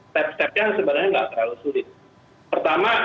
step stepnya sebenarnya nggak terlalu sulit